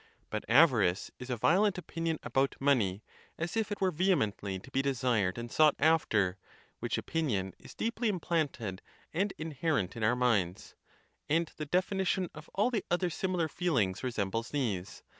But avarice is a violent opin ion about money, as if it were vehemently to be desired and sought after, which opinion is deeply implanted and inher ent in our minds; and the definition of all the other simi lar feelings resembles these.